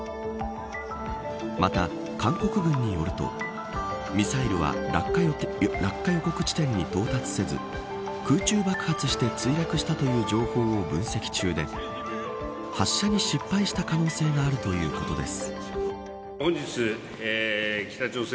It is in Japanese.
また、韓国軍によるとミサイルは落下予告地点に到達せず空中爆発して墜落したという情報を分析中で発射に失敗した可能性があるということです。